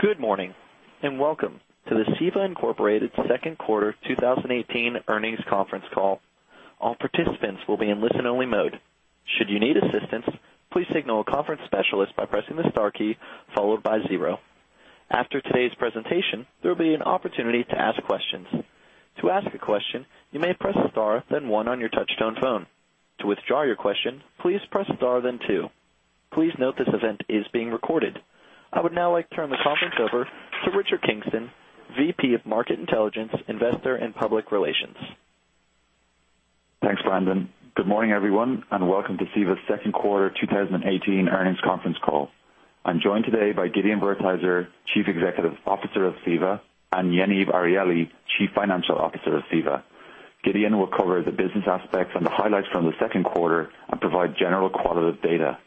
Good morning. Welcome to the CEVA, Inc. second quarter 2018 earnings conference call. All participants will be in listen-only mode. Should you need assistance, please signal a conference specialist by pressing the star key followed by zero. After today's presentation, there will be an opportunity to ask questions. To ask a question, you may press star, then one on your touch-tone phone. To withdraw your question, please press star then two. Please note this event is being recorded. I would now like to turn the conference over to Richard Kingston, VP of Market Intelligence, Investor, and Public Relations. Thanks, Brandon. Good morning, everyone. Welcome to CEVA's second quarter 2018 earnings conference call. I am joined today by Gideon Wertheizer, Chief Executive Officer of CEVA, and Yaniv Arieli, Chief Financial Officer of CEVA. Gideon will cover the business aspects and the highlights from the second quarter and provide general qualitative data.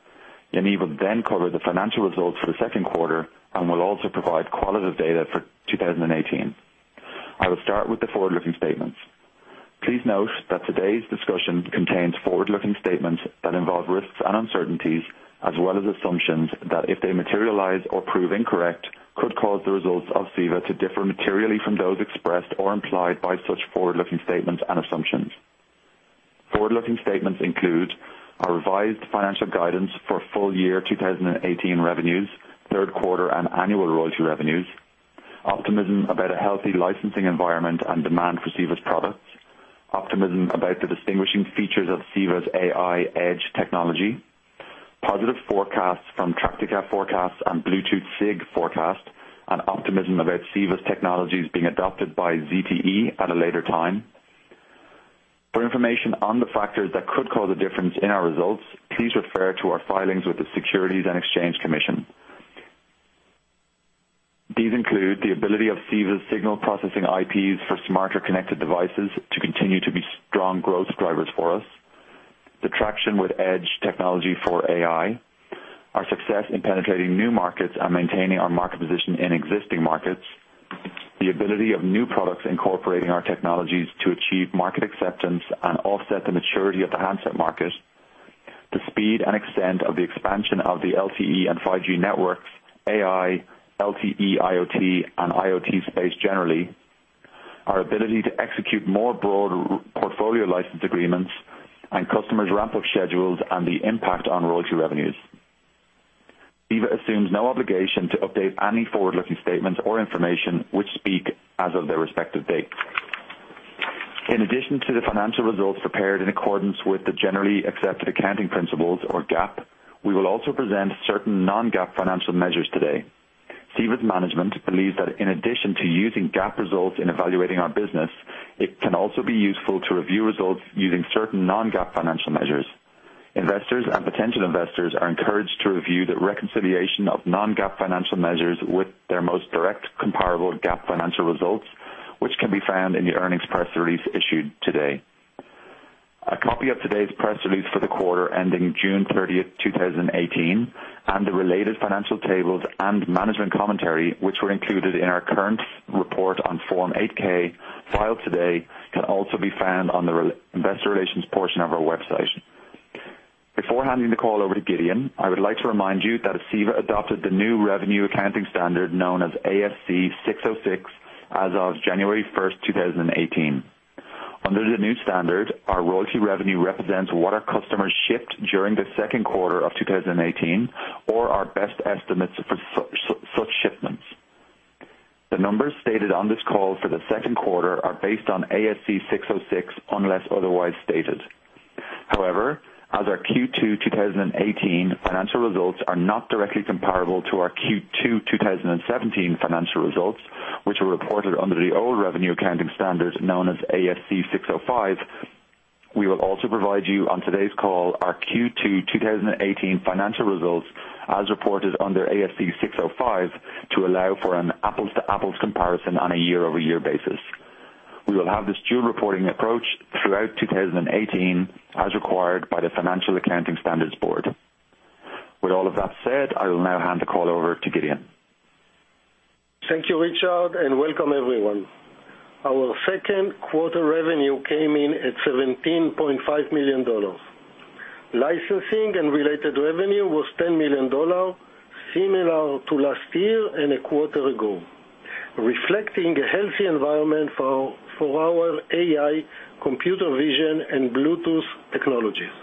Yaniv will cover the financial results for the second quarter and will also provide qualitative data for 2018. I will start with the forward-looking statements. Please note that today's discussion contains forward-looking statements that involve risks and uncertainties, as well as assumptions that, if they materialize or prove incorrect, could cause the results of CEVA to differ materially from those expressed or implied by such forward-looking statements and assumptions. Forward-looking statements include our revised financial guidance for full year 2018 revenues, third quarter and annual royalty revenues, optimism about a healthy licensing environment and demand for CEVA's products, optimism about the distinguishing features of CEVA's AI Edge technology, positive forecasts from Tractica forecasts and Bluetooth SIG forecast, and optimism about CEVA's technologies being adopted by ZTE at a later time. For information on the factors that could cause a difference in our results, please refer to our filings with the Securities and Exchange Commission. These include the ability of CEVA's signal processing IPs for smarter connected devices to continue to be strong growth drivers for us, the traction with Edge technology for AI, our success in penetrating new markets and maintaining our market position in existing markets, the ability of new products incorporating our technologies to achieve market acceptance and offset the maturity of the handset market, the speed and extent of the expansion of the LTE and 5G networks, AI, LTE IoT, and IoT space generally, our ability to execute more broad portfolio license agreements, and customers' ramp-up schedules and the impact on royalty revenues. CEVA assumes no obligation to update any forward-looking statements or information, which speak as of their respective date. In addition to the financial results prepared in accordance with the generally accepted accounting principles or GAAP, we will also present certain non-GAAP financial measures today. CEVA's management believes that in addition to using GAAP results in evaluating our business, it can also be useful to review results using certain non-GAAP financial measures. Investors and potential investors are encouraged to review the reconciliation of non-GAAP financial measures with their most direct comparable GAAP financial results, which can be found in the earnings press release issued today. A copy of today's press release for the quarter ending June 30th, 2018, and the related financial tables and management commentary, which were included in our current report on Form 8-K filed today, can also be found on the investor relations portion of our website. Before handing the call over to Gideon, I would like to remind you that CEVA adopted the new revenue accounting standard known as ASC 606 as of January 1st, 2018. As our Q2 2018 financial results are not directly comparable to our Q2 2017 financial results, which were reported under the old revenue accounting standard known as ASC 605, we will also provide you on today's call our Q2 2018 financial results as reported under ASC 605 to allow for an apples-to-apples comparison on a year-over-year basis. We will have this dual reporting approach throughout 2018 as required by the Financial Accounting Standards Board. With all of that said, I will now hand the call over to Gideon. Thank you, Richard, and welcome everyone. Our second quarter revenue came in at $17.5 million. Licensing and related revenue was $10 million, similar to last year and a quarter ago, reflecting a healthy environment for our AI, computer vision, and Bluetooth technologies.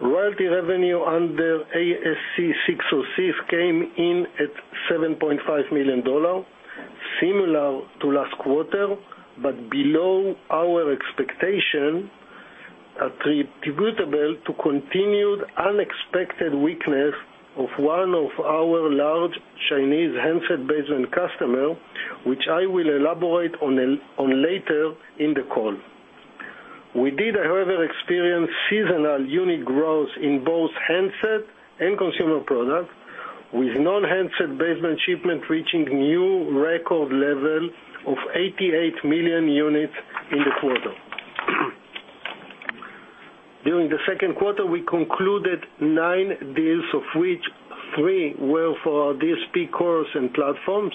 Royalty revenue under ASC 606 came in at $7.5 million, similar to last quarter, but below our expectation attributable to continued unexpected weakness of one of our large Chinese handset-based end customer, which I will elaborate on later in the call. We did, however, experience seasonal unit growth in both handset and consumer products, with non-handset baseband shipment reaching new record level of 88 million units in the quarter. During the second quarter, we concluded nine deals, of which three were for our DSP cores and platforms,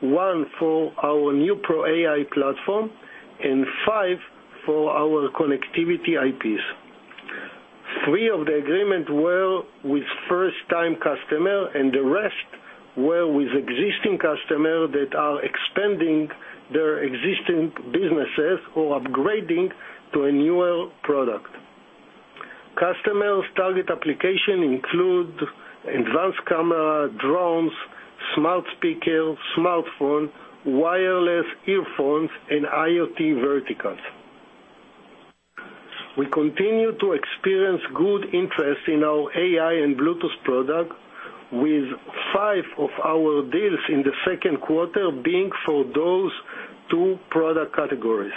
one for our NeuPro AI platform, and five for our connectivity IPs. Three of the agreement were with first time customer and the rest were with existing customer that are expanding their existing businesses or upgrading to a newer product. Customers target application include advanced camera, drones, smart speaker, smartphone, wireless earphones, and IoT verticals. We continue to experience good interest in our AI and Bluetooth product with five of our deals in the second quarter being for those two product categories.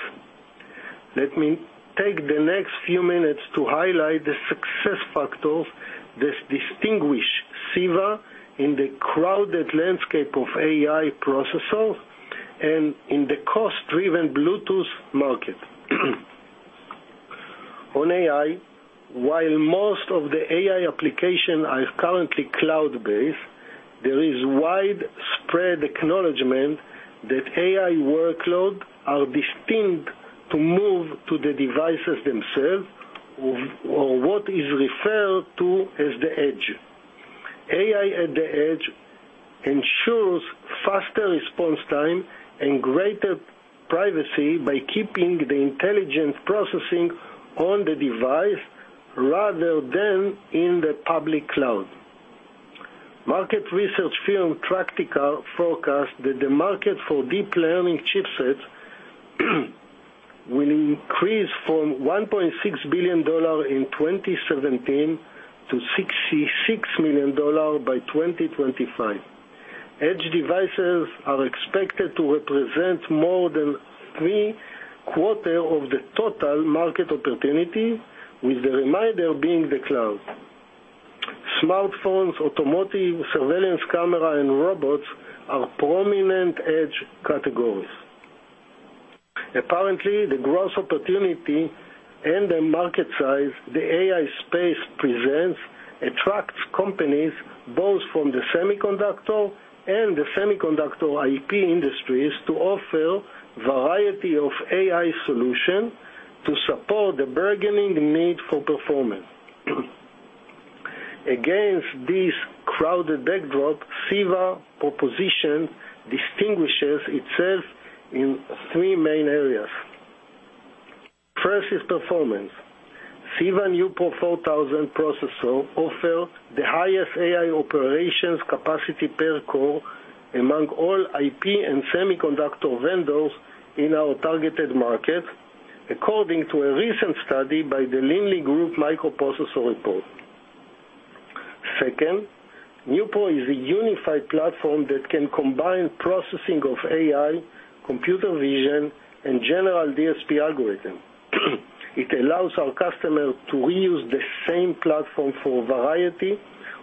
Let me take the next few minutes to highlight the success factors that distinguish CEVA in the crowded landscape of AI processor and in the cost-driven Bluetooth market. On AI, while most of the AI application are currently cloud-based, there is widespread acknowledgment that AI workload are distinct to move to the devices themselves or what is referred to as the edge. AI at the edge ensures faster response time and greater privacy by keeping the intelligence processing on the device rather than in the public cloud. Market research firm Tractica forecast that the market for deep learning chipsets will increase from $1.6 billion in 2017 to $66 million by 2025. Edge devices are expected to represent more than three quarters of the total market opportunity, with the remainder being the cloud. Smartphones, automotive, surveillance camera, and robots are prominent edge categories. Apparently, the growth opportunity and the market size the AI space presents attracts companies both from the semiconductor and the semiconductor IP industries to offer variety of AI solution to support the burgeoning need for performance. Against this crowded backdrop, CEVA proposition distinguishes itself in three main areas. First is performance. CEVA NeuPro 4000 processor offer the highest AI operations capacity per core among all IP and semiconductor vendors in our targeted market, according to a recent study by The Linley Group Microprocessor Report. Second, NeuPro is a unified platform that can combine processing of AI, computer vision, and general DSP algorithm. It allows our customer to reuse the same platform for a variety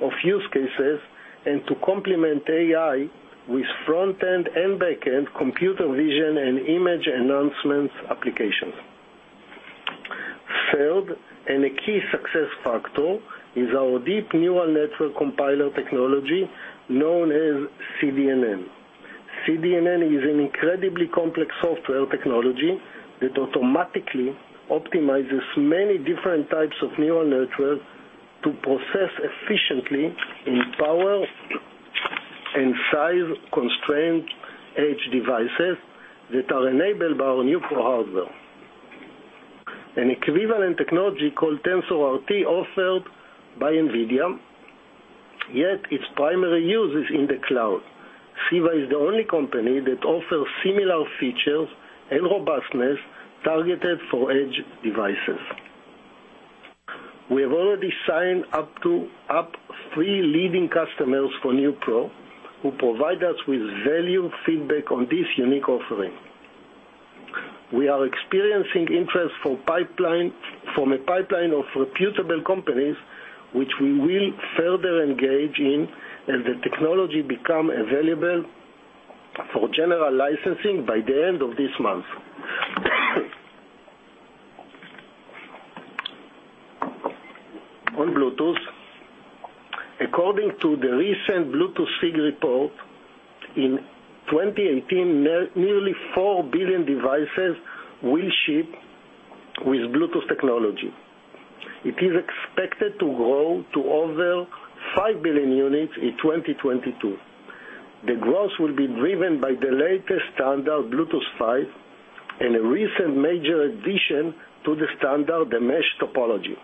of use cases and to complement AI with front-end and back-end computer vision and image enhancement applications. Third, and a key success factor, is our deep neural network compiler technology known as CDNN. CDNN is an incredibly complex software technology that automatically optimizes many different types of neural network to process efficiently in power and size constraint edge devices that are enabled by our NeuPro hardware. An equivalent technology called TensorRT offered by Nvidia, yet its primary use is in the cloud. CEVA is the only company that offers similar features and robustness targeted for edge devices. We have already signed up three leading customers for NeuPro, who provide us with valued feedback on this unique offering. We are experiencing interest from a pipeline of reputable companies, which we will further engage in as the technology become available for general licensing by the end of this month. On Bluetooth, according to the recent Bluetooth SIG report, in 2018, nearly 4 billion devices will ship with Bluetooth technology. It is expected to grow to over 5 billion units in 2022. The growth will be driven by the latest standard Bluetooth 5 and a recent major addition to the standard, the mesh topology.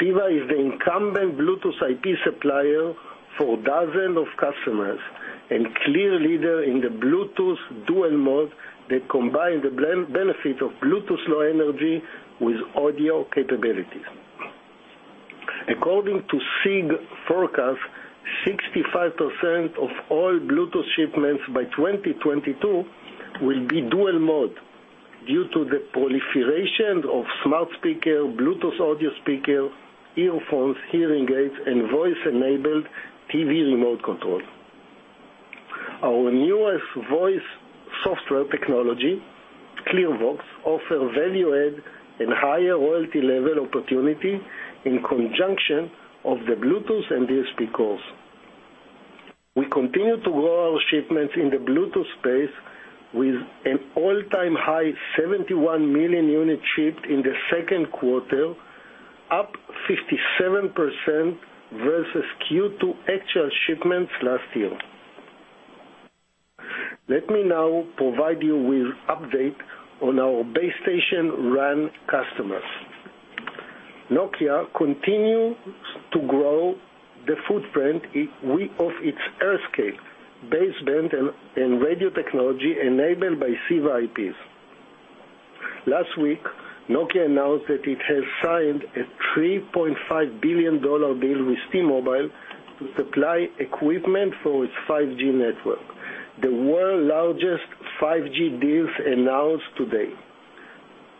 CEVA is the incumbent Bluetooth IP supplier for dozens of customers and clear leader in the Bluetooth dual mode that combine the benefit of Bluetooth Low Energy with audio capabilities. According to SIG forecast, 65% of all Bluetooth shipments by 2022 will be dual mode due to the proliferation of smart speaker, Bluetooth audio speaker, earphones, hearing aids, and voice-enabled TV remote control. Our newest voice software technology, ClearVox, offers value add and higher royalty level opportunity in conjunction of the Bluetooth and DSP cores We continue to grow our shipments in the Bluetooth space with an all-time high 71 million units shipped in the second quarter, up 57% versus Q2 actual shipments last year. Let me now provide you with update on our base station RAN customers. Nokia continues to grow the footprint of its AirScale baseband and radio technology enabled by CEVA IPs. Last week, Nokia announced that it has signed a $3.5 billion deal with T-Mobile to supply equipment for its 5G network, the world largest 5G deals announced today.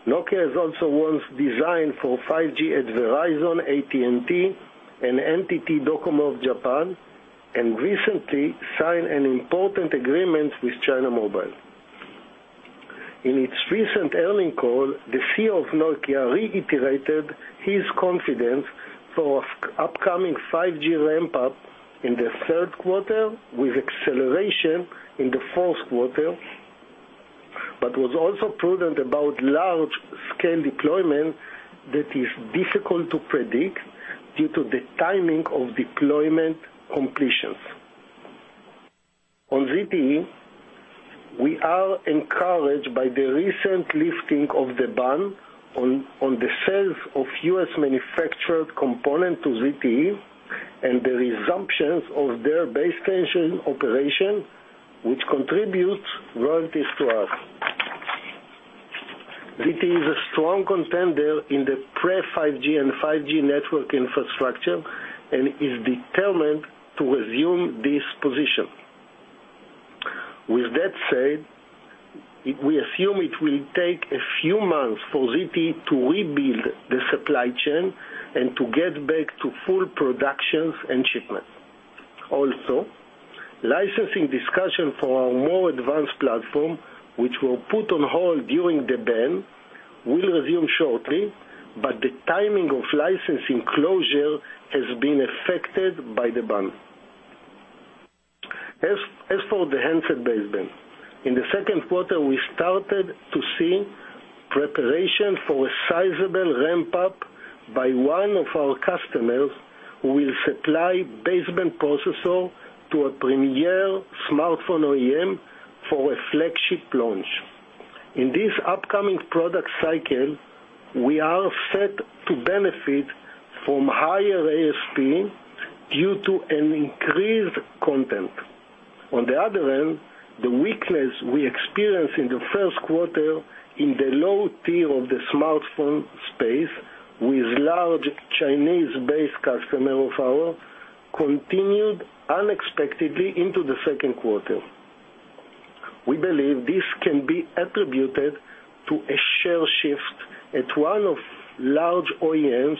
Nokia has also won design for 5G at Verizon, AT&T, and NTT Docomo of Japan, and recently signed an important agreement with China Mobile. In its recent earnings call, the CEO of Nokia reiterated his confidence for upcoming 5G ramp-up in the third quarter, with acceleration in the fourth quarter, but was also prudent about large-scale deployment that is difficult to predict due to the timing of deployment completions. On ZTE, we are encouraged by the recent lifting of the ban on the sales of U.S.-manufactured component to ZTE and the resumptions of their base station operation, which contributes royalties to us. ZTE is a strong contender in the pre-5G and 5G network infrastructure and is determined to resume this position. With that said, we assume it will take a few months for ZTE to rebuild the supply chain and to get back to full productions and shipments. Also, licensing discussion for our more advanced platform, which were put on hold during the ban, will resume shortly, but the timing of licensing closure has been affected by the ban. As for the handset baseband, in the second quarter, we started to see preparation for a sizable ramp-up by one of our customers, who will supply baseband processor to a premier smartphone OEM for a flagship launch. In this upcoming product cycle, we are set to benefit from higher ASP due to an increased content. On the other hand, the weakness we experienced in the first quarter in the low tier of the smartphone space with large Chinese-based customer of ours continued unexpectedly into the second quarter. We believe this can be attributed to a share shift at one of large OEMs,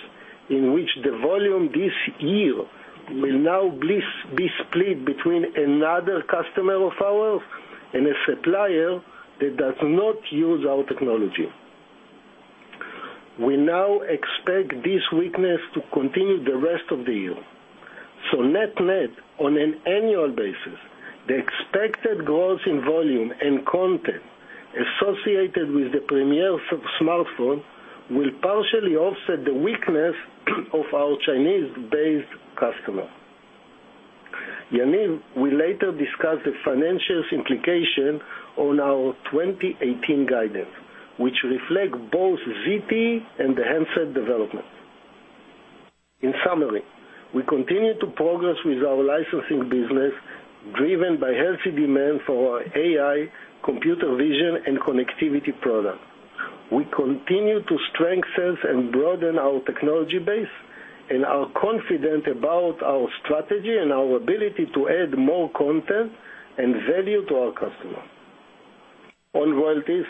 in which the volume this year will now be split between another customer of ours and a supplier that does not use our technology. We now expect this weakness to continue the rest of the year. Net-net, on an annual basis, the expected growth in volume and content associated with the premier smartphone will partially offset the weakness of our Chinese-based customer. Yaniv will later discuss the financials implication on our 2018 guidance, which reflect both ZTE and the handset development. In summary, we continue to progress with our licensing business, driven by healthy demand for our AI, computer vision, and connectivity product. We continue to strengthen and broaden our technology base and are confident about our strategy and our ability to add more content and value to our customers. On royalties,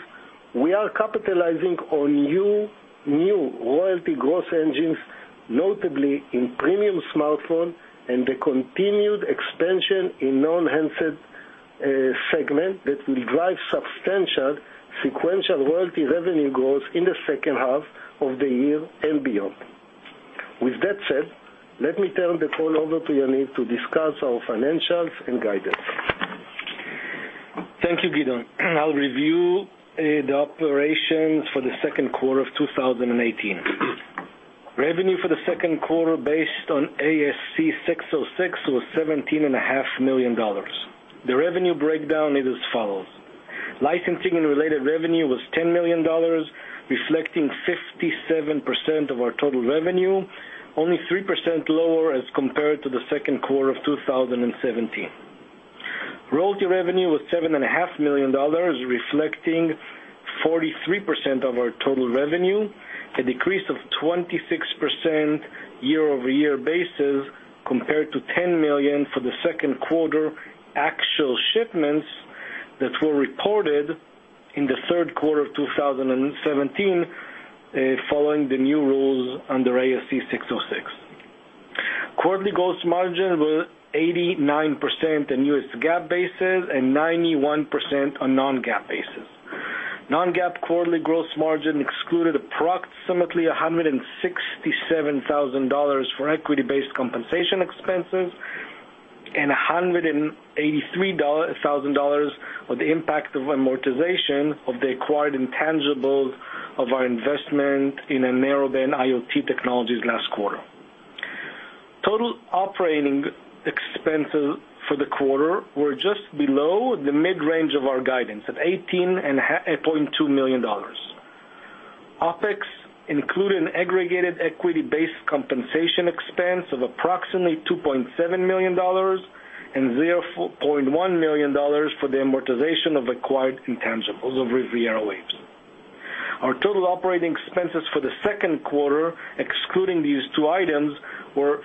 we are capitalizing on new royalty growth engines, notably in premium smartphone and the continued expansion in non-handset segment that will drive substantial sequential royalty revenue growth in the second half of the year and beyond. With that said, let me turn the call over to Yaniv to discuss our financials and guidance. Thank you, Gideon. I'll review the operations for the second quarter of 2018. Revenue for the second quarter based on ASC 606 was $17.5 million. The revenue breakdown is as follows: licensing and related revenue was $10 million, reflecting 57% of our total revenue, only 3% lower as compared to the second quarter of 2017. Royalty revenue was $7.5 million, reflecting 43% of our total revenue, a decrease of 26% year-over-year basis compared to $10 million for the second quarter actual shipments that were reported in the third quarter of 2017, following the new rules under ASC 606. Quarterly gross margin was 89% in U.S. GAAP basis and 91% on non-GAAP basis. Non-GAAP quarterly gross margin excluded approximately $167,000 for equity-based compensation expenses and $183,000 for the impact of amortization of the acquired intangibles of our investment in a Narrowband IoT technologies last quarter. Total operating expenses for the quarter were just below the mid-range of our guidance at $18.2 million. OpEx included an aggregated equity-based compensation expense of approximately $2.7 million and $0.1 million for the amortization of acquired intangibles of RivieraWaves. Our total operating expenses for the second quarter, excluding these two items, were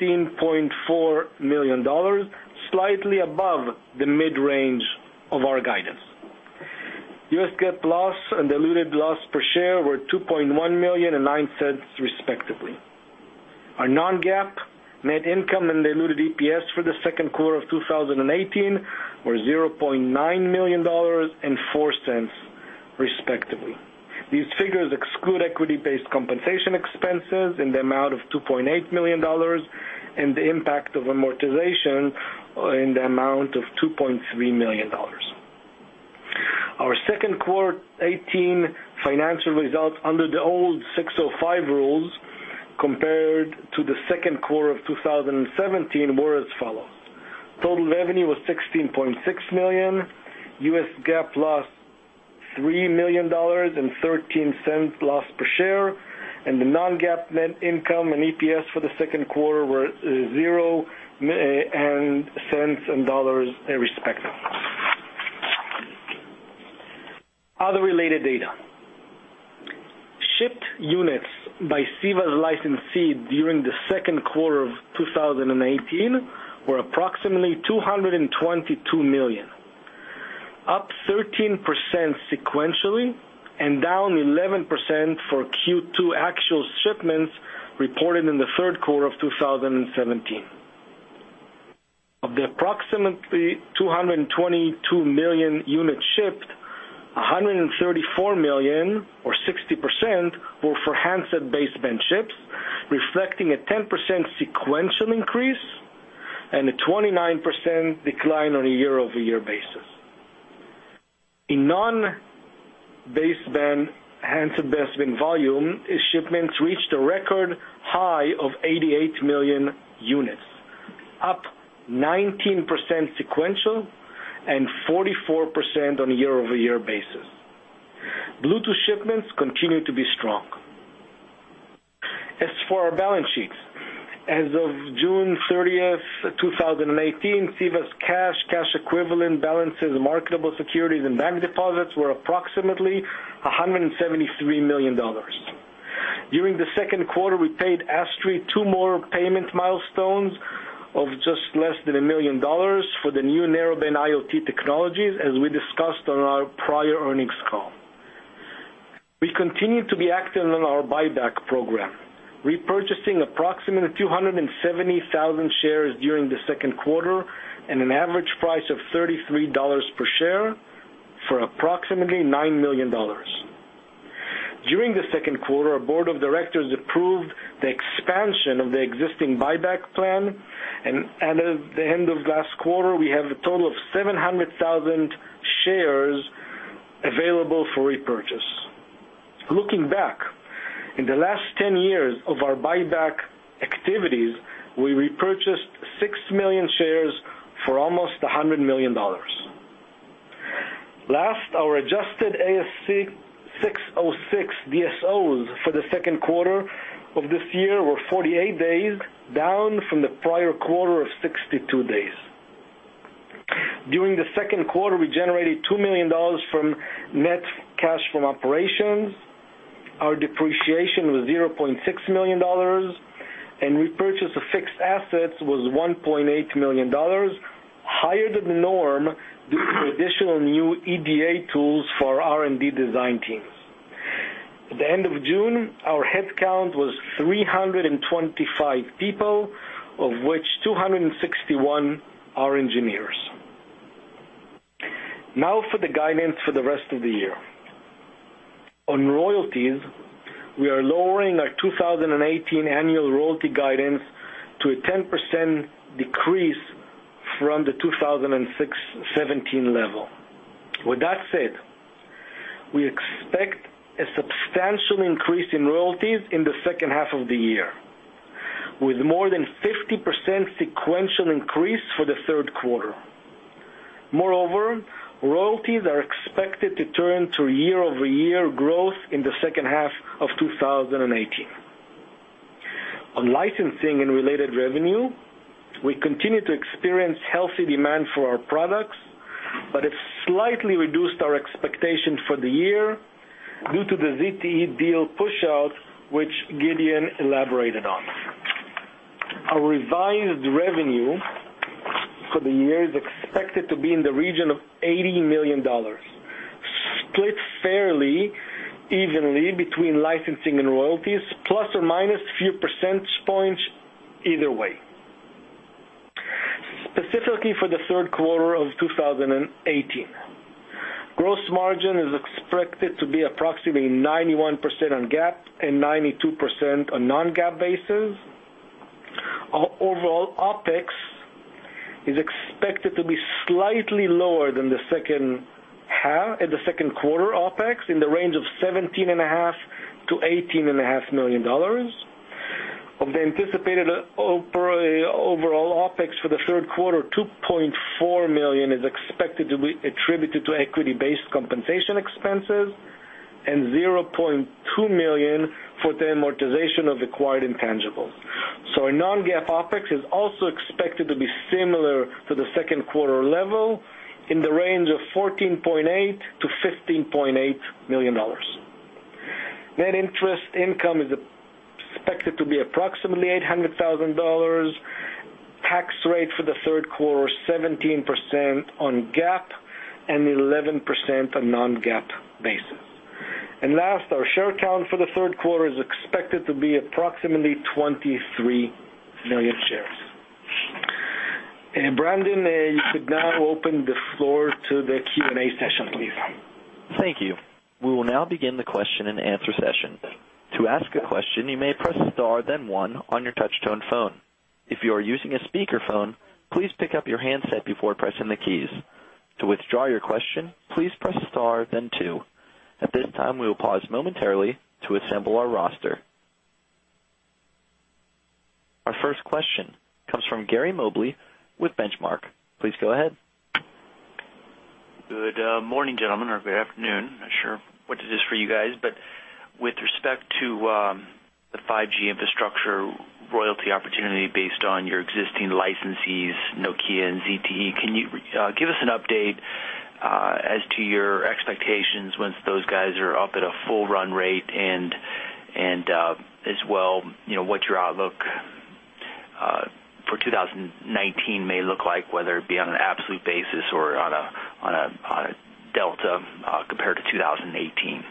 $15.4 million, slightly above the mid-range of our guidance. U.S. GAAP loss and diluted loss per share were $2.1 million and $0.09 respectively. Our non-GAAP net income and diluted EPS for the second quarter of 2018 were $0.9 million and $0.04 respectively. These figures exclude equity-based compensation expenses in the amount of $2.8 million and the impact of amortization in the amount of $2.3 million. Our second quarter 2018 financial results under the old ASC 605 rules compared to the second quarter of 2017 were as follows. Total revenue was $16.6 million, U.S. GAAP lost $3 million and $0.13 loss per share, and the non-GAAP net income and EPS for the second quarter were zero and cents and dollars respective. Other related data. Shipped units by CEVA's licensee during the second quarter of 2018 were approximately 222 million, up 13% sequentially and down 11% for Q2 actual shipments reported in the third quarter of 2017. Of the approximately 222 million units shipped, 134 million or 60% were for handset baseband chips, reflecting a 10% sequential increase and a 29% decline on a year-over-year basis. In non-baseband handset baseband volume, shipments reached a record high of 88 million units, up 19% sequential and 44% on a year-over-year basis. Bluetooth shipments continue to be strong. As for our balance sheets, as of June 30th, 2018, CEVA's cash equivalent balances, marketable securities, and bank deposits were approximately $173 million. During the second quarter, we paid ASTRI two more payment milestones of just less than a million dollars for the new Narrowband IoT technologies, as we discussed on our prior earnings call. We continue to be active in our buyback program, repurchasing approximately 270,000 shares during the second quarter and an average price of $33 per share for approximately $9 million. During the second quarter, our board of directors approved the expansion of the existing buyback plan, and at the end of last quarter, we have a total of 700,000 shares available for repurchase. Looking back, in the last 10 years of our buyback activities, we repurchased 6 million shares for almost $100 million. Our adjusted ASC 606 DSOs for the second quarter of this year were 48 days, down from the prior quarter of 62 days. During the second quarter, we generated $2 million from net cash from operations. Our depreciation was $0.6 million, and repurchase of fixed assets was $1.8 million, higher than the norm due to additional new EDA tools for our R&D design teams. At the end of June, our headcount was 325 people, of which 261 are engineers. For the guidance for the rest of the year. On royalties, we are lowering our 2018 annual royalty guidance to a 10% decrease from the 2017 level. With that said, we expect a substantial increase in royalties in the second half of the year, with more than 50% sequential increase for the third quarter. Moreover, royalties are expected to turn to year-over-year growth in the second half of 2018. On licensing and related revenue, we continue to experience healthy demand for our products, but it slightly reduced our expectation for the year due to the ZTE deal push-out, which Gideon elaborated on. Our revised revenue for the year is expected to be in the region of $80 million, split fairly evenly between licensing and royalties, plus or minus a few percentage points either way. Specifically for the third quarter of 2018, gross margin is expected to be approximately 91% on GAAP and 92% on non-GAAP basis. Our overall OpEx is expected to be slightly lower than the second quarter OpEx, in the range of $17.5 million-$18.5 million. Of the anticipated overall OpEx for the third quarter, $2.4 million is expected to be attributed to equity-based compensation expenses and $0.2 million for the amortization of acquired intangibles. Non-GAAP OpEx is also expected to be similar to the second quarter level in the range of $14.8 million-$15.8 million. Net interest income is expected to be approximately $800,000. Tax rate for the third quarter, 17% on GAAP and 11% on non-GAAP basis. Last, our share count for the third quarter is expected to be approximately 23 million shares. Brandon, you could now open the floor to the Q&A session, please. Thank you. We will now begin the question and answer session. To ask a question, you may press star then one on your touch-tone phone. If you are using a speakerphone, please pick up your handset before pressing the keys. To withdraw your question, please press star then two. At this time, we will pause momentarily to assemble our roster. Our first question comes from Gary Mobley with Benchmark. Please go ahead. Good morning, gentlemen, or good afternoon. Not sure what it is for you guys. With respect to the 5G infrastructure royalty opportunity based on your existing licensees, Nokia and ZTE, can you give us an update as to your expectations once those guys are up at a full run rate and as well, what your outlook for 2019 may look like, whether it be on an absolute basis or on a delta compared to 2018?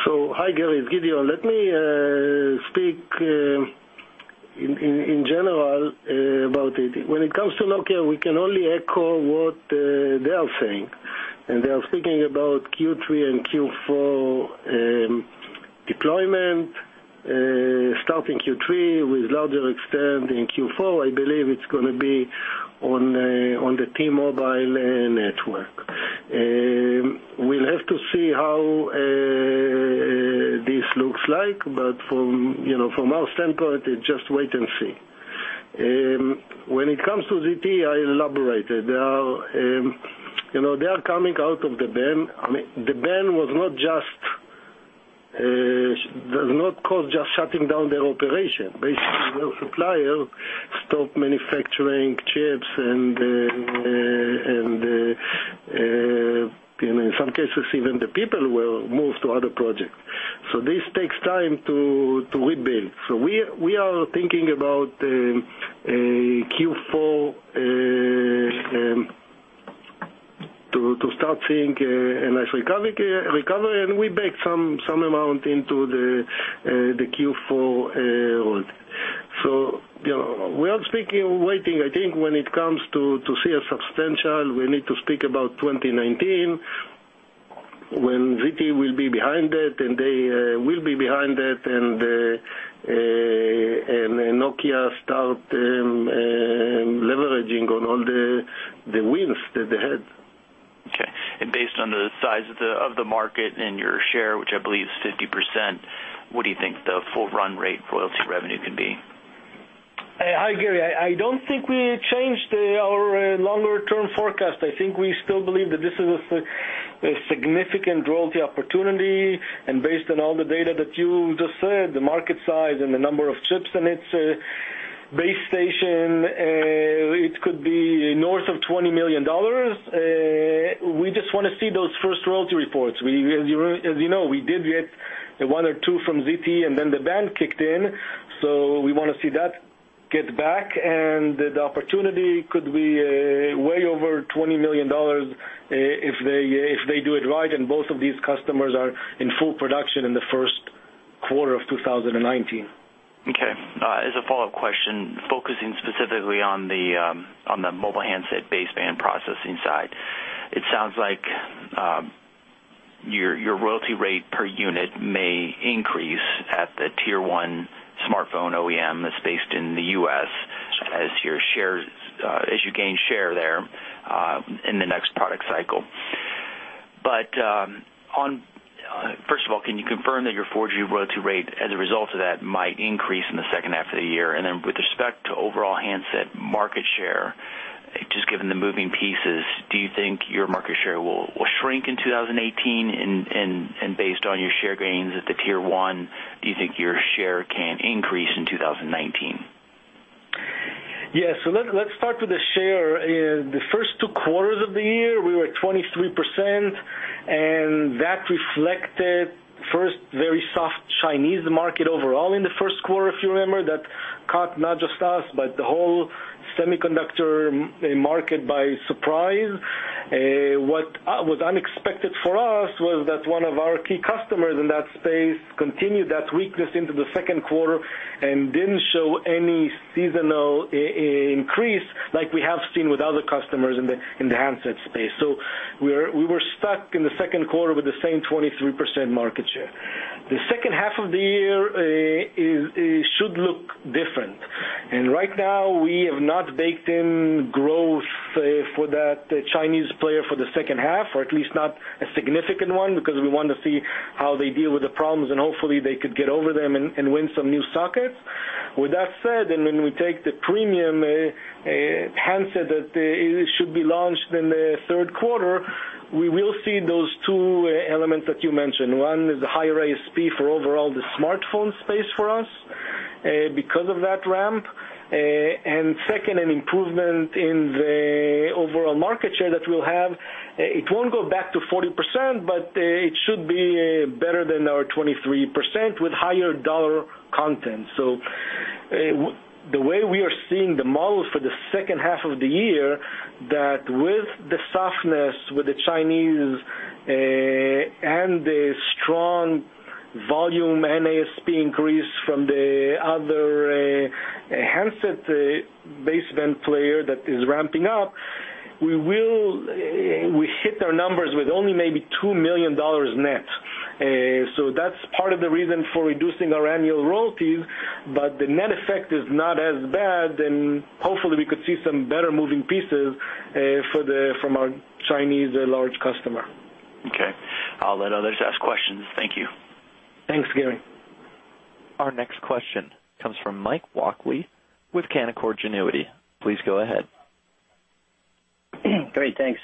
Hi, Gary, it's Gideon. Let me speak in general about it. When it comes to Nokia, we can only echo what they are saying, and they are speaking about Q3 and Q4 deployment, starting Q3 with larger extent in Q4. I believe it's going to be on the T-Mobile network. We'll have to see how this looks like. From our standpoint, it's just wait and see. When it comes to ZTE, I elaborated. They are coming out of the ban. I mean, the ban does not cause just shutting down their operation. Basically, their supplier stopped manufacturing chips and in some cases, even the people will move to other projects. This takes time to rebuild. We are thinking about Q4 to start seeing a nice recovery, and we bake some amount into the Q4 hold. We are waiting. I think when it comes to see a substantial, we need to speak about 2019, when ZTE will be behind it, and they will be behind it, and Nokia start leveraging on all the wins that they had. Okay. Based on the size of the market and your share, which I believe is 50%, what do you think the full run rate royalty revenue can be? Hi, Gary. I don't think we changed our longer-term forecast. I think we still believe that this is a significant royalty opportunity, and based on all the data that you just said, the market size and the number of chips in its base station, it could be north of $20 million. We just want to see those first royalty reports. As you know, we did get one or two from ZTE, and then the ban kicked in, so we want to see that get back, and the opportunity could be way over $20 million if they do it right, and both of these customers are in full production in the first quarter of 2019. Okay. As a follow-up question, focusing specifically on the mobile handset baseband processing side, it sounds like your royalty rate per unit may increase at the tier-one smartphone OEM that's based in the U.S. as you gain share there in the next product cycle. First of all, can you confirm that your 4G royalty rate, as a result of that, might increase in the second half of the year? With respect to overall handset market share, just given the moving pieces, do you think your market share will shrink in 2018, and based on your share gains at the tier 1, do you think your share can increase in 2019? Yes. Let's start with the share. The first two quarters of the year, we were 23%, and that reflected first, very soft Chinese market overall in the first quarter, if you remember. That caught not just us, but the whole semiconductor market by surprise. What was unexpected for us was that one of our key customers in that space continued that weakness into the second quarter and didn't show any seasonal increase like we have seen with other customers in the handset space. We were stuck in the second quarter with the same 23% market share. The second half of the year should look different, and right now, we have not baked in growth for that Chinese player for the second half, or at least not a significant one, because we want to see how they deal with the problems, and hopefully they could get over them and win some new sockets. With that said, when we take the premium handset that should be launched in the third quarter, we will see those two elements that you mentioned. One is the higher ASP for overall the smartphone space for us, because of that ramp. Second, an improvement in the overall market share that we'll have. It won't go back to 40%, but it should be better than our 23% with higher dollar content. The way we are seeing the models for the second half of the year, that with the softness with the Chinese, and the strong volume and ASP increase from the other handset base band player that is ramping up, we hit our numbers with only maybe $2 million net. That's part of the reason for reducing our annual royalties, but the net effect is not as bad, and hopefully we could see some better moving pieces from our Chinese large customer. Okay. I'll let others ask questions. Thank you. Thanks, Gary. Our next question comes from Mike Walkley with Canaccord Genuity. Please go ahead. Great, thanks.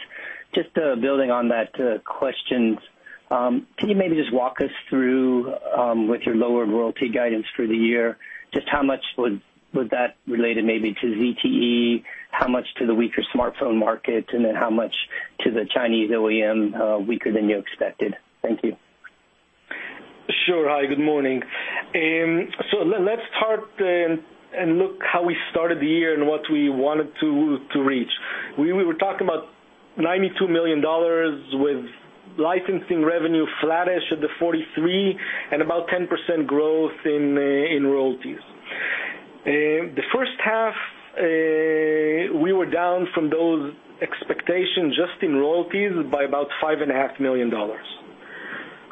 Just building on that question, can you maybe just walk us through with your lower royalty guidance through the year, just how much would that related maybe to ZTE, how much to the weaker smartphone market, how much to the Chinese OEM weaker than you expected? Thank you. Sure. Hi, good morning. Let's start and look how we started the year and what we wanted to reach. We were talking about $92 million with licensing revenue flattish at the 43 and about 10% growth in royalties. The first half, we were down from those expectations just in royalties by about $5.5 million.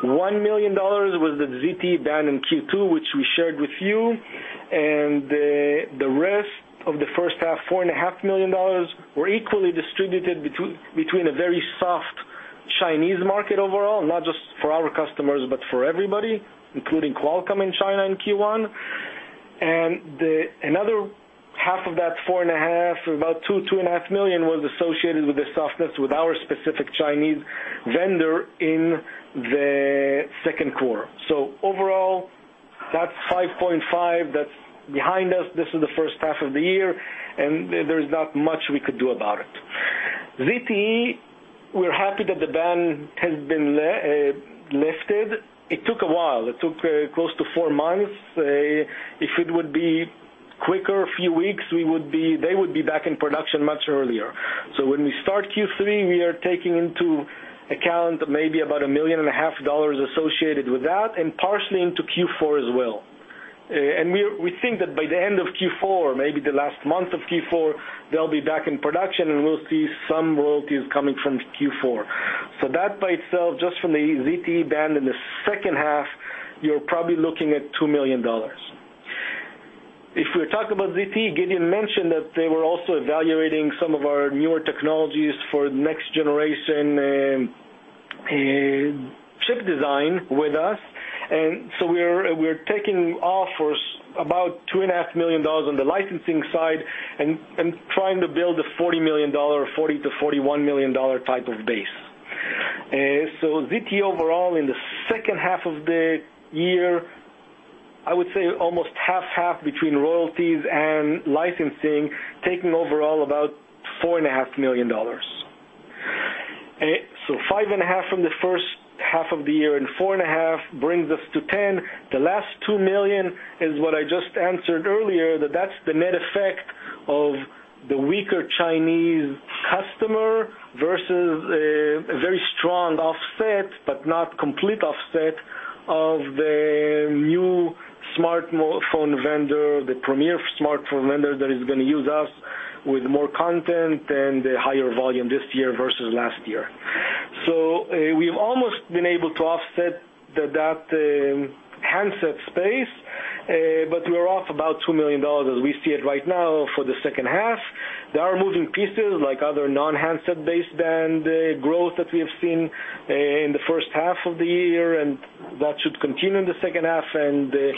$1 million was the ZTE ban in Q2, which we shared with you, and the rest of the first half, $4.5 million, were equally distributed between a very soft Chinese market overall, not just for our customers, but for everybody, including Qualcomm in China in Q1. Another half of that four and a half, about 2.5 million was associated with the softness with our specific Chinese vendor in the second quarter. Overall, that's 5.5 that's behind us. This is the first half of the year, there's not much we could do about it. ZTE, we're happy that the ban has been lifted. It took a while. It took close to four months. If it would be quicker, a few weeks, they would be back in production much earlier. When we start Q3, we are taking into account maybe about a million and a half dollars associated with that, and partially into Q4 as well. We think that by the end of Q4, maybe the last month of Q4, they'll be back in production, and we'll see some royalties coming from Q4. That by itself, just from the ZTE ban in the second half, you're probably looking at $2 million. If we talk about ZTE, Gideon mentioned that they were also evaluating some of our newer technologies for next generation chip design with us. We're taking offers about $2.5 million on the licensing side and trying to build a $40 million, $40 million to $41 million type of base. ZTE overall, in the second half of the year, I would say almost half-half between royalties and licensing, taking overall about $4.5 million. 5.5 from the first half of the year and 4.5 brings us to 10. The last $2 million is what I just answered earlier, that that's the net effect of the weaker Chinese customer versus a very strong offset, but not complete offset of the new smartphone vendor, the premier smartphone vendor that is going to use us with more content and a higher volume this year versus last year. We've almost been able to offset that handset space, but we are off about $2 million as we see it right now for the second half. There are moving pieces like other non-handset baseband growth that we have seen in the first half of the year, and that should continue in the second half. Nokia,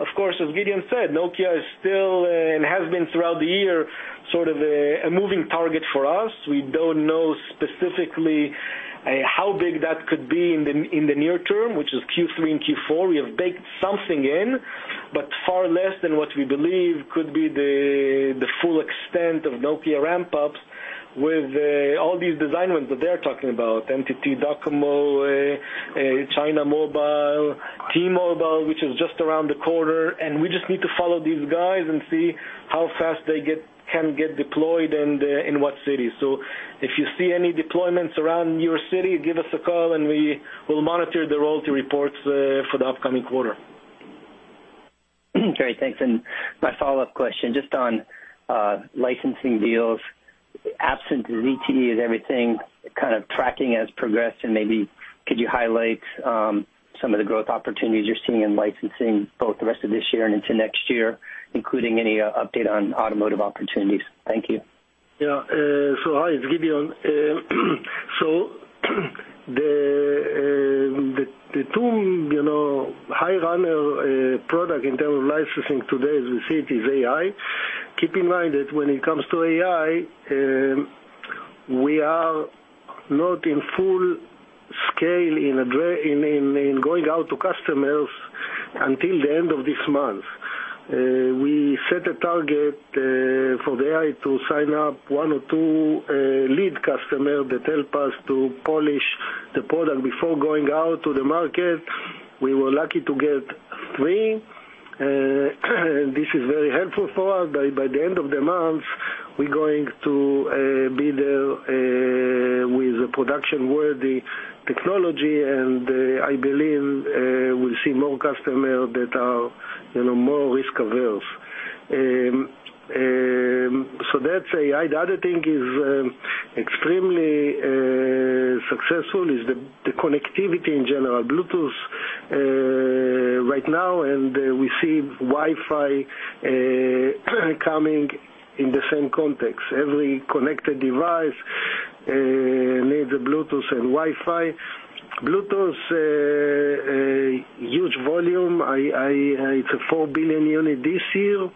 of course, as Gideon said, Nokia is still, and has been throughout the year, sort of a moving target for us. We don't know specifically how big that could be in the near term, which is Q3 and Q4. We have baked something in, but far less than what we believe could be the full extent of Nokia ramp-ups with all these design wins that they're talking about, NTT Docomo- China Mobile, T-Mobile, which is just around the corner, we just need to follow these guys and see how fast they can get deployed and in what cities. If you see any deployments around your city, give us a call and we will monitor the royalty reports for the upcoming quarter. Great. Thanks. My follow-up question, just on licensing deals, absent ZTE, is everything kind of tracking as progressed? Maybe could you highlight some of the growth opportunities you're seeing in licensing both the rest of this year and into next year, including any update on automotive opportunities? Thank you. Yeah. Hi, it's Gideon. The two high runner product in term of licensing today, as you see it, is AI. Keep in mind that when it comes to AI, we are not in full scale in going out to customers until the end of this month. We set a target for the AI to sign up one or two lead customer that help us to polish the product before going out to the market. We were lucky to get three. This is very helpful for us. By the end of the month, we're going to be there with a production-worthy technology, I believe we see more customer that are more risk-averse. That's AI. The other thing is extremely successful is the connectivity in general, Bluetooth right now, we see Wi-Fi coming in the same context. Every connected device needs a Bluetooth and Wi-Fi. Bluetooth, huge volume. It's a 4 billion unit this year.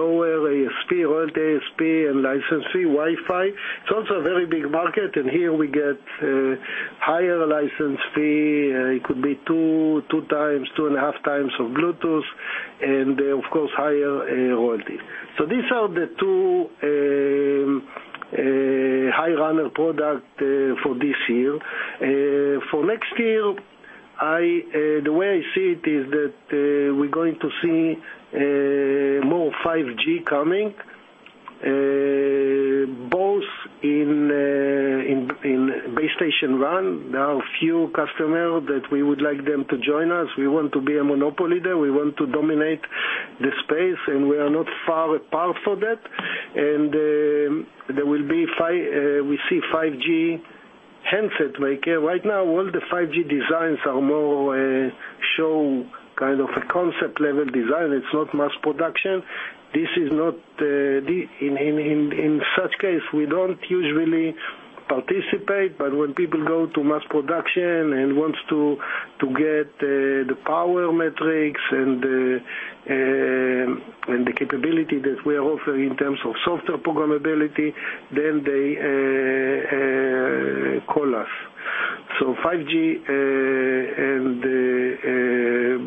Lower ASP, royalty ASP, and license fee. Wi-Fi, it's also a very big market, and here we get higher license fee. It could be two times, two and a half times of Bluetooth, and of course, higher royalty. These are the two high-runner product for this year. For next year, the way I see it is that we're going to see more 5G coming, both in base station RAN. There are a few customer that we would like them to join us. We want to be a monopoly there. We want to dominate the space, and we are not far apart for that. We see 5G handset maker. Right now, all the 5G designs are more show, kind of a concept-level design. It's not mass production. In such case, we don't usually participate, but when people go to mass production and wants to get the power metrics and the capability that we are offering in terms of software programmability, then they call us. 5G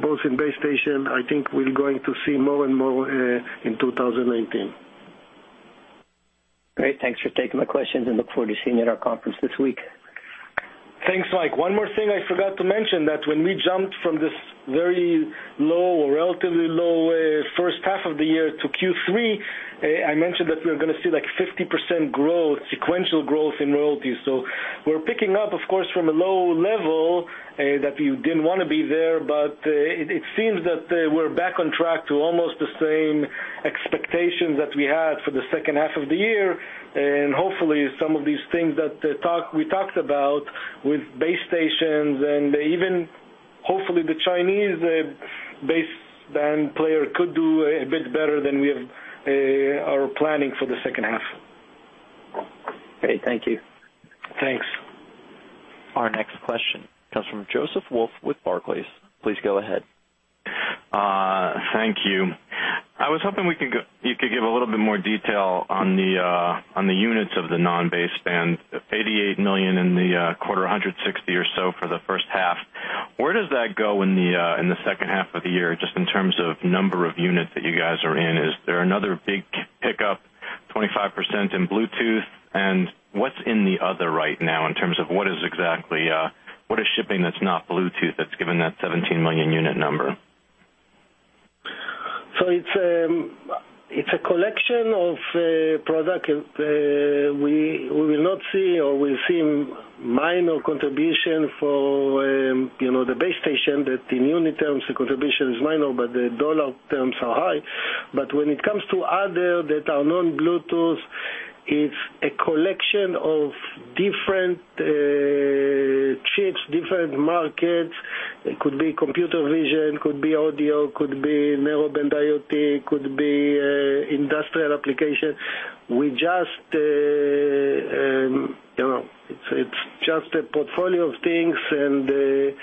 both in base station, I think we're going to see more and more in 2019. Great. Thanks for taking my questions. Look forward to seeing you at our conference this week. Thanks, Mike. One more thing I forgot to mention that when we jumped from this very low or relatively low first half of the year to Q3, I mentioned that we're going to see 50% growth, sequential growth in royalties. We're picking up, of course, from a low level that we didn't want to be there, but it seems that we're back on track to almost the same expectations that we had for the second half of the year. Hopefully, some of these things that we talked about with base stations and even hopefully the Chinese baseband player could do a bit better than we are planning for the second half. Great. Thank you. Thanks. Our next question comes from Joseph Wolf with Barclays. Please go ahead. Thank you. What's in the other right now in terms of what is exactly, what is shipping that's not Bluetooth that's given that 17 million unit number? I was hoping you could give a little bit more detail on the units of the non-baseband, 88 million in the quarter, 160 or so for the first half. Where does that go in the second half of the year, just in terms of number of units that you guys are in? Is there another big pickup, 25% in Bluetooth? It's a collection of product. We will not see or we'll see minor contribution for the base station, that in unit terms, the contribution is minor, but the dollar terms are high. When it comes to other that are non-Bluetooth, it's a collection of different chips, different markets. It could be computer vision, could be audio, could be Narrowband IoT, could be industrial application. It's just a portfolio of things and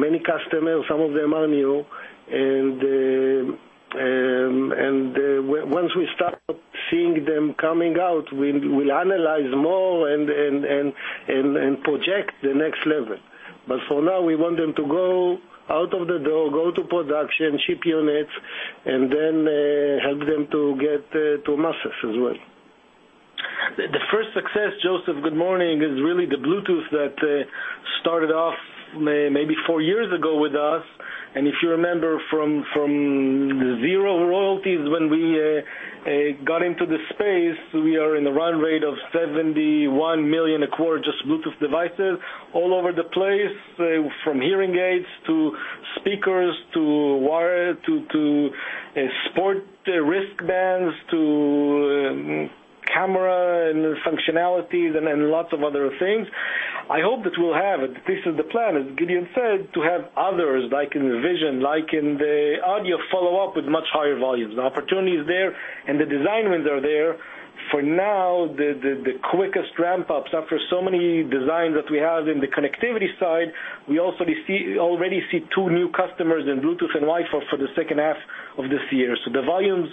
many customers, some of them are new, and once we start seeing them coming out, we'll analyze more and project the next level. For now, we want them to go out of the door, go to production, ship units And then help them to get to masses as well. Joseph, good morning, the first success is really the Bluetooth that started off maybe four years ago with us. If you remember from zero royalties when we got into the space, we are in a run rate of $71 million a quarter, just Bluetooth devices all over the place, from hearing aids to speakers to [wire] to sport wristbands to camera and functionalities and then lots of other things. I hope that we'll have, this is the plan, as Gideon said, to have others like in vision, like in the audio follow-up with much higher volumes. The opportunity is there, and the design wins are there. For now, the quickest ramp-ups after so many designs that we have in the connectivity side, we also already see two new customers in Bluetooth and Wi-Fi for the second half of this year. The volumes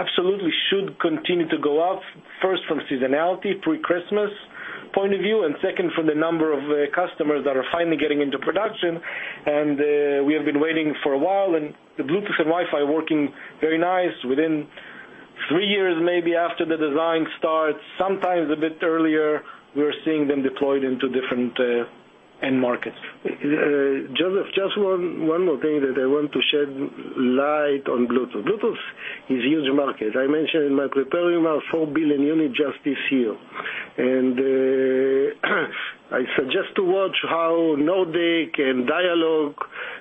absolutely should continue to go up, first from seasonality, pre-Christmas point of view, and second, from the number of customers that are finally getting into production, and we have been waiting for a while, and the Bluetooth and Wi-Fi working very nice within three years, maybe after the design starts, sometimes a bit earlier, we're seeing them deployed into different end markets. Joseph, just one more thing that I want to shed light on Bluetooth. Bluetooth is a huge market. I mentioned in my prepared remarks, four billion units just this year. I suggest to watch how Nordic and Dialog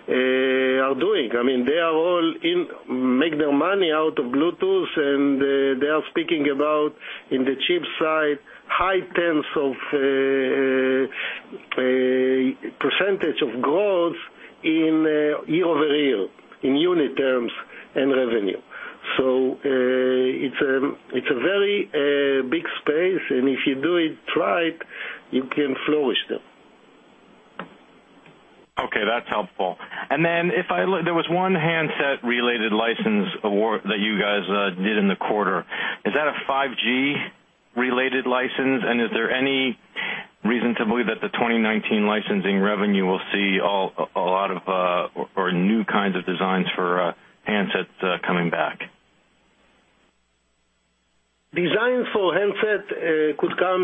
are doing. They all make their money out of Bluetooth, and they are speaking about, in the chip side, high tens of % of growth year-over-year in unit terms and revenue. It's a very big space, and if you do it right, you can flourish there. Okay, that's helpful. There was one handset-related license award that you guys did in the quarter. Is that a 5G-related license, and is there any reason to believe that the 2019 licensing revenue will see a lot of or new kinds of designs for handsets coming back? Designs for handsets could come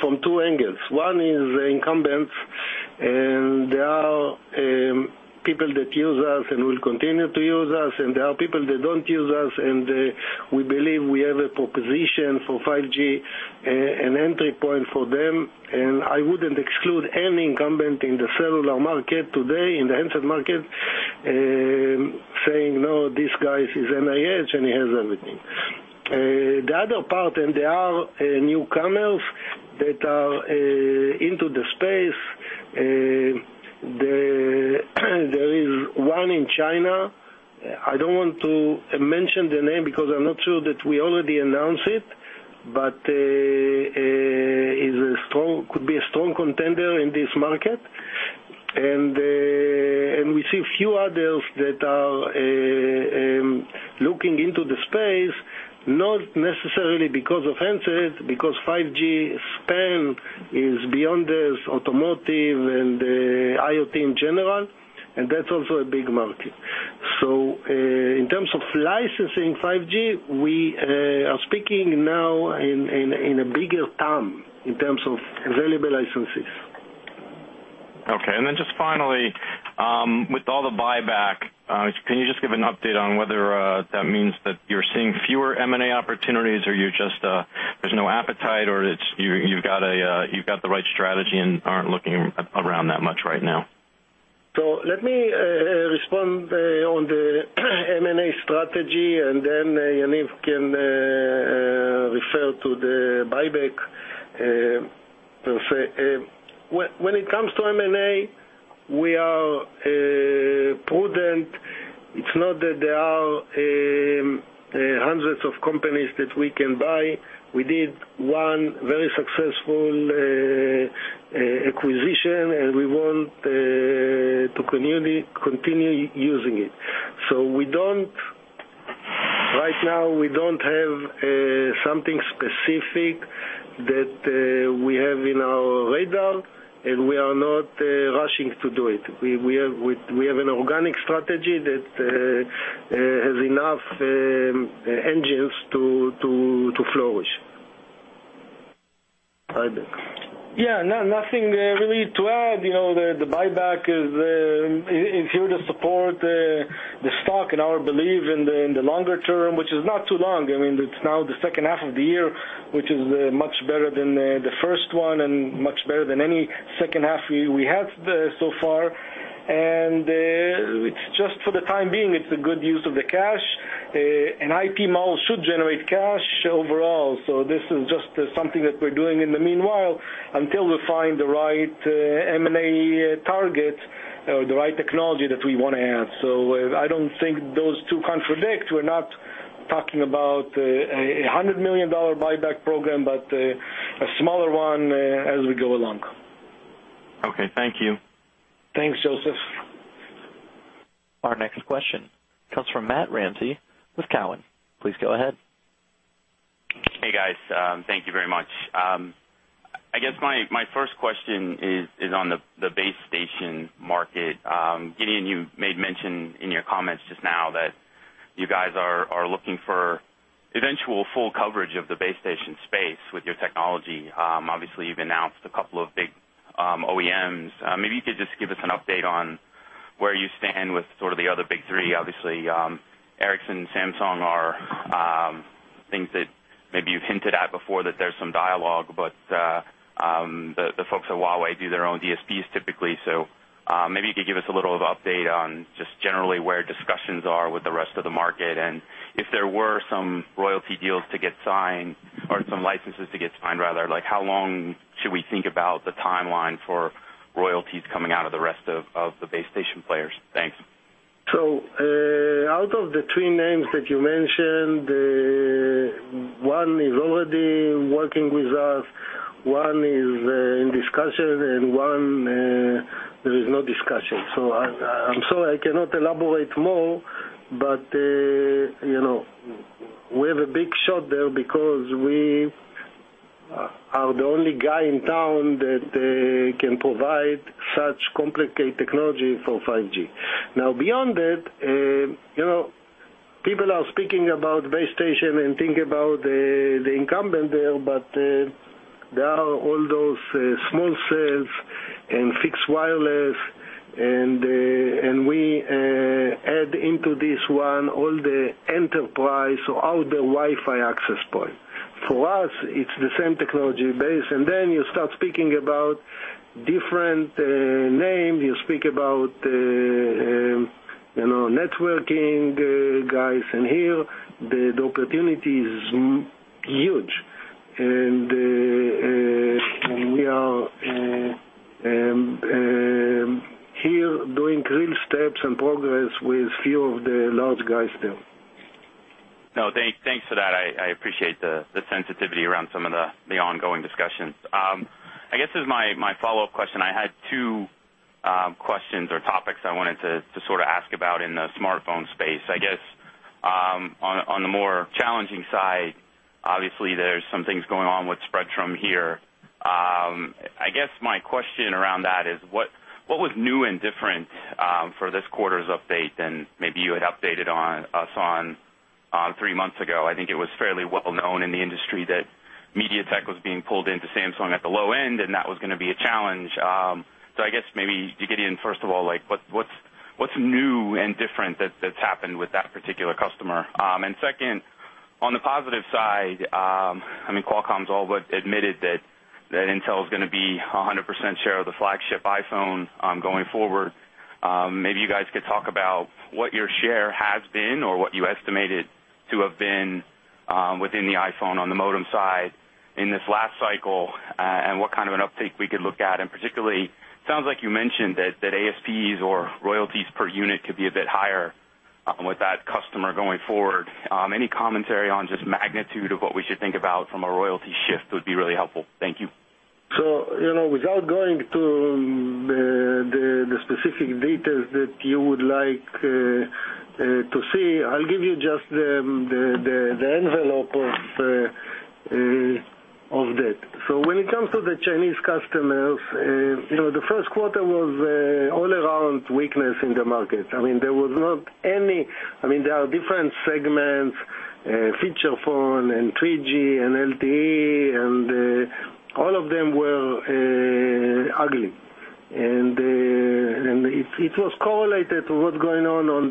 from two angles. One is incumbents, there are people that use us and will continue to use us, there are people that don't use us, we believe we have a proposition for 5G, an entry point for them, I wouldn't exclude any incumbent in the cellular market today, in the handset market, saying, "No, this guy is NIH, and he has everything." The other part, there are newcomers that are into the space. There is one in China. I don't want to mention the name because I'm not sure that we already announced it, could be a strong contender in this market. We see a few others that are looking into the space, not necessarily because of handsets, because 5G span is beyond this, automotive and IoT in general, that's also a big market. In terms of licensing 5G, we are speaking now in a bigger term in terms of available licenses. Okay. Just finally, with all the buyback, can you just give an update on whether that means that you're seeing fewer M&A opportunities, or there's no appetite, or you've got the right strategy and aren't looking around that much right now? Let me respond on the M&A strategy, Yaniv can refer to the buyback per se. When it comes to M&A, we are prudent. It's not that there are hundreds of companies that we can buy. We did one very successful acquisition, we want to continue using it. Right now, we don't have something specific that we have in our radar, we are not rushing to do it. We have an organic strategy that has enough engines to flourish. Yaniv. Yeah, nothing really to add. The buyback is here to support the stock and our belief in the longer term, which is not too long. It's now the second half of the year, which is much better than the first one and much better than any second half we had so far. It's just for the time being, it's a good use of the cash. An IP model should generate cash overall. This is just something that we're doing in the meanwhile until we find the right M&A target or the right technology that we want to have. I don't think those two contradict. We're not talking about a $100 million buyback program, but a smaller one as we go along. Okay. Thank you. Thanks, Joseph. Our next question comes from Matt Ramsey with Cowen. Please go ahead. Hey, guys. Thank you very much. I guess my first question is on the base station market. Gideon, you made mention in your comments just now that you guys are looking for eventual full coverage of the base station space with your technology. Obviously, you've announced a couple of big OEMs. Maybe you could just give us an update on where you stand with sort of the other big three. Obviously, Ericsson and Samsung are things that maybe you've hinted at before, that there's some dialogue, the folks at Huawei do their own DSPs typically. Maybe you could give us a little of update on just generally where discussions are with the rest of the market, if there were some royalty deals to get signed or some licenses to get signed, rather, how long should we think about the timeline for royalties coming out of the rest of the base station players? Thanks. Out of the three names that you mentioned, one is already working with us, one is in discussion, one, there is no discussion. I'm sorry, I cannot elaborate more, but we have a big shot there because we are the only guy in town that can provide such complicated technology for 5G. Now, beyond that, people are speaking about base station and think about the incumbent there, but there are all those small cells and fixed wireless. We add into this one all the enterprise, all the Wi-Fi access point. For us, it's the same technology base. Then you start speaking about different names, you speak about networking guys. Here the opportunity is huge, and we are here doing real steps and progress with few of the large guys there. No, thanks for that. I appreciate the sensitivity around some of the ongoing discussions. I guess as my follow-up question, I had two questions or topics I wanted to sort of ask about in the smartphone space. I guess, on the more challenging side, obviously, there's some things going on with Spreadtrum here. I guess my question around that is, what was new and different for this quarter's update than maybe you had updated us on three months ago? I think it was fairly well known in the industry that MediaTek was being pulled into Samsung at the low end, that was going to be a challenge. I guess maybe, Gideon, first of all, what's new and different that's happened with that particular customer? Second, on the positive side, Qualcomm's all but admitted that Intel is going to be 100% share of the flagship iPhone going forward. Maybe you guys could talk about what your share has been or what you estimated to have been within the iPhone on the modem side in this last cycle, and what kind of an uptake we could look at. Particularly, sounds like you mentioned that ASPs or royalties per unit could be a bit higher with that customer going forward. Any commentary on just magnitude of what we should think about from a royalty shift would be really helpful. Thank you. Without going to the specific details that you would like to see, I'll give you just the envelope of that. When it comes to the Chinese customers, the first quarter was all around weakness in the market. There are different segments, feature phone and 3G and LTE, and all of them were ugly. It was correlated to what's going on on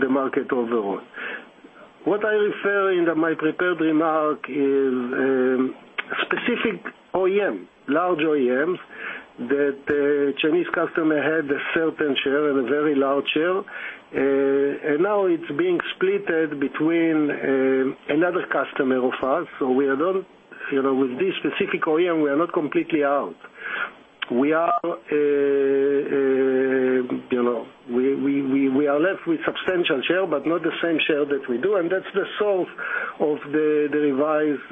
the market overall. What I refer in my prepared remark is specific OEM, large OEMs, that Chinese customer had a certain share and a very large share. Now it's being split between another customer of ours. With this specific OEM, we are not completely out. We are left with substantial share, but not the same share that we do, and that's the source of the revised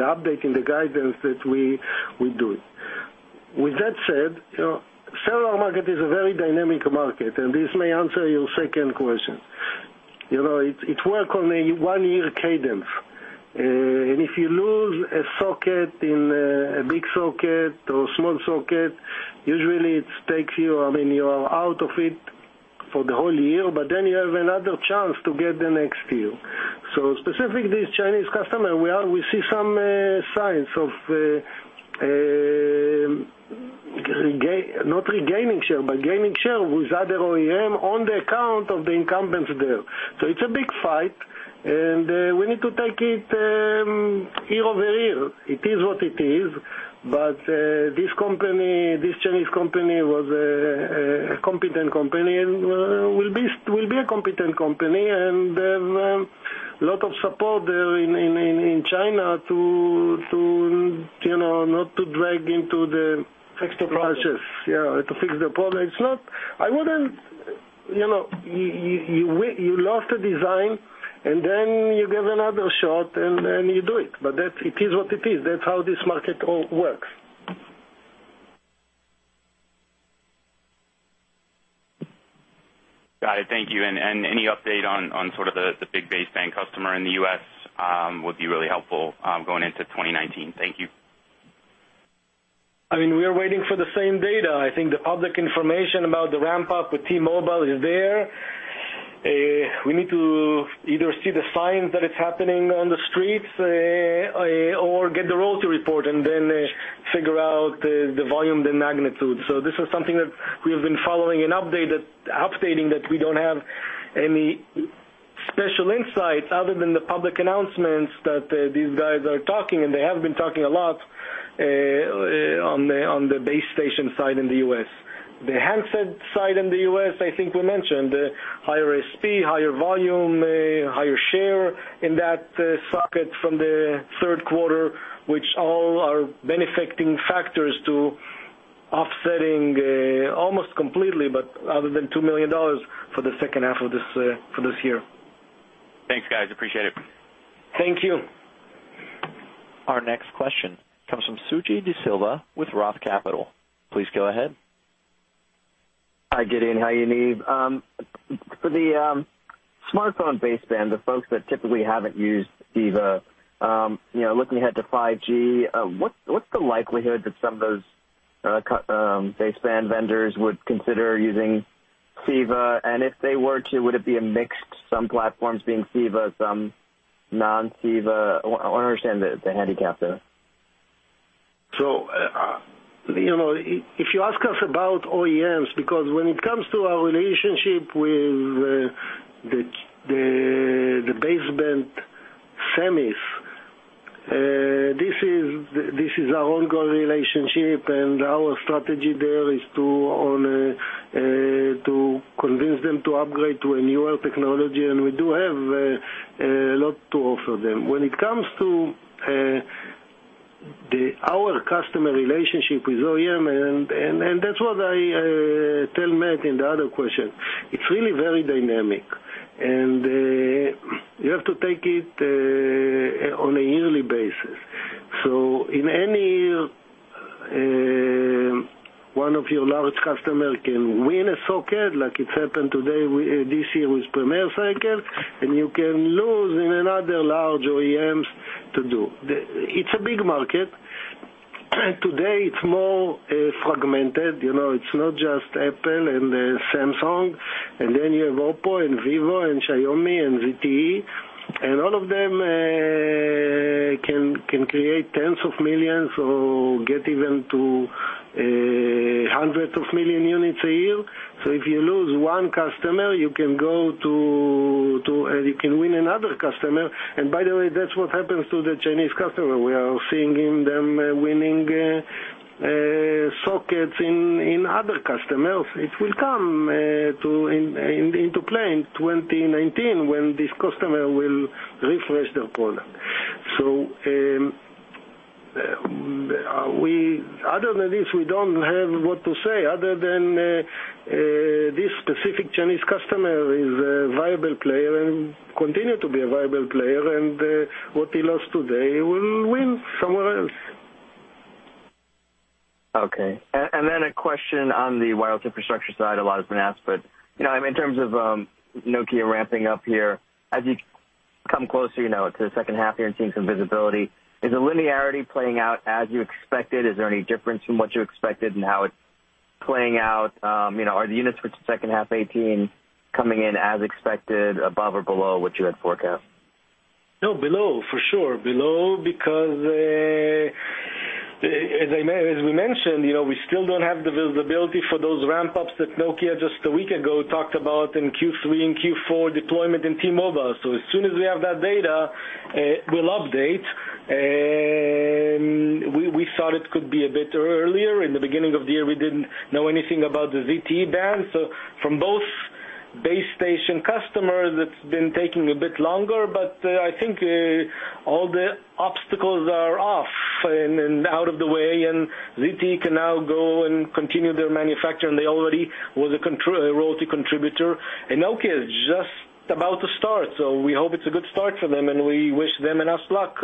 update in the guidance that we do. With that said, cellular market is a very dynamic market, and this may answer your second question. It works on a one-year cadence. If you lose a socket, a big socket or small socket, usually it takes you're out of it for the whole year, you have another chance to get the next year. Specifically, this Chinese customer, we see some signs of, not regaining share, but gaining share with other OEM on the account of the incumbents there. It's a big fight, and we need to take it year over year. It is what it is, but this Chinese company was a competent company and will be a competent company, and they have a lot of support there in China not to drag into the. Fix the problem. to fix the problem. You lost the design, then you give another shot, then you do it. It is what it is. That's how this market works. Got it. Thank you. Any update on sort of the big baseband customer in the U.S. would be really helpful going into 2019. Thank you. We are waiting for the same data. I think the public information about the ramp-up with T-Mobile is there. We need to either see the signs that it's happening on the streets or get the royalty report and then figure out the volume, the magnitude. This is something that we have been following and updating, that we don't have any special insights other than the public announcements that these guys are talking, and they have been talking a lot, on the base station side in the U.S. The handset side in the U.S., I think we mentioned, higher ASP, higher volume, higher share in that socket from the third quarter, which all are benefiting factors to offsetting almost completely, but other than $2 million for the second half for this year. Thanks, guys. Appreciate it. Thank you. Our next question comes from Suji Desilva with Roth Capital Partners. Please go ahead. Hi, Gideon. How are you, Yaniv? For the smartphone baseband, the folks that typically haven't used CEVA, looking ahead to 5G, what's the likelihood that some of those baseband vendors would consider using CEVA? If they were to, would it be a mix, some platforms being CEVA, some non-CEVA? I want to understand the handicap there. If you ask us about OEMs, because when it comes to our relationship with the baseband semis, this is our ongoing relationship, our strategy there is to convince them to upgrade to a newer technology, we do have a lot to offer them. When it comes to our customer relationship with OEM, that's what I tell Matt in the other question, it's really very dynamic, you have to take it on a yearly basis. In any year, one of your large customer can win a socket, like it happened today, this year with Premier Cycle, you can lose in another large OEMs to do. It's a big market. Today, it's more fragmented. It's not just Apple and Samsung, then you have Oppo and Vivo and Xiaomi and ZTE, and all of them can create tens of millions or get even to hundreds of million units a year. If you lose one customer, you can win another customer. By the way, that's what happens to the Chinese customer. We are seeing them winning sockets in other customers. It will come into play in 2019 when this customer will refresh their product. Other than this, we don't have what to say other than this specific Chinese customer is a viable player and continue to be a viable player, and what he lost today, he will win somewhere else. Okay. Then a question on the wireless infrastructure side, a lot has been asked, but in terms of Nokia ramping up here, as you come closer to the second half here and seeing some visibility, is the linearity playing out as you expected? Is there any difference from what you expected and how it's playing out? Are the units for the second half 2018 coming in as expected, above or below what you had forecast? No, below for sure. Below because as we mentioned, we still don't have the visibility for those ramp-ups that Nokia just a week ago talked about in Q3 and Q4 deployment in T-Mobile. As soon as we have that data, we'll update. We thought it could be a bit earlier. In the beginning of the year, we didn't know anything about the ZTE ban. From both base station customers, it's been taking a bit longer, but I think all the obstacles are off and out of the way, and ZTE can now go and continue their manufacture, and they already was a royalty contributor. Nokia is just about to start, we hope it's a good start for them, and we wish them enough luck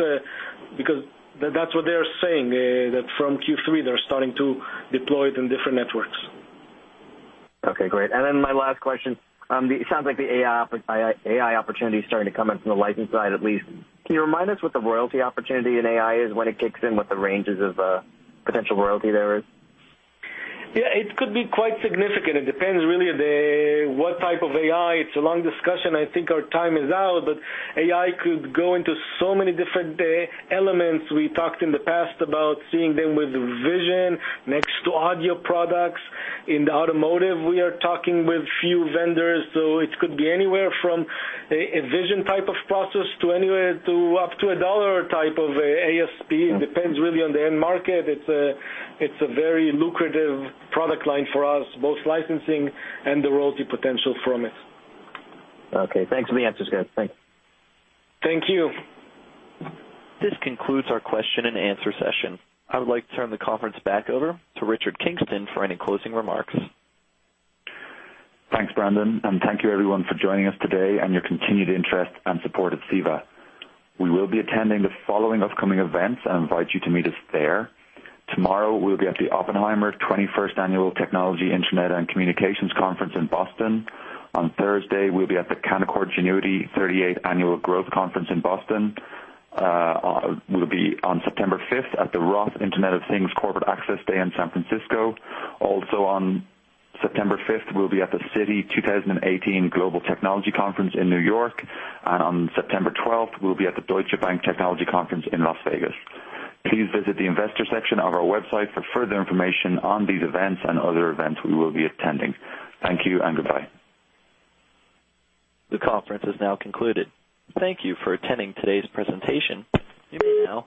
because that's what they're saying, that from Q3, they're starting to deploy it in different networks. Okay, great. Then my last question. It sounds like the AI opportunity is starting to come in from the license side, at least. Can you remind us what the royalty opportunity in AI is, when it kicks in, what the ranges of potential royalty there is? Yeah, it could be quite significant. It depends really what type of AI. It's a long discussion. I think our time is out, but AI could go into so many different elements. We talked in the past about seeing them with vision next to audio products. In the automotive, we are talking with few vendors, so it could be anywhere from a vision type of process to up to a $1 type of ASP. It depends really on the end market. It's a very lucrative product line for us, both licensing and the royalty potential from it. Okay, thanks for the answers, guys. Thanks. Thank you. This concludes our question and answer session. I would like to turn the conference back over to Richard Kingston for any closing remarks. Thanks, Brandon, and thank you everyone for joining us today and your continued interest and support of CEVA. We will be attending the following upcoming events and invite you to meet us there. Tomorrow, we'll be at the Oppenheimer 21st Annual Technology, Internet, and Communications Conference in Boston. On Thursday, we'll be at the Canaccord Genuity 38th Annual Growth Conference in Boston. We'll be on September 5th at the Roth Internet of Things Corporate Access Day in San Francisco. Also on September 5th, we'll be at the Citi 2018 Global Technology Conference in New York, and on September 12th, we'll be at the Deutsche Bank Technology Conference in Las Vegas. Please visit the investor section of our website for further information on these events and other events we will be attending. Thank you and goodbye. The conference is now concluded. Thank you for attending today's presentation. You may now disconnect your-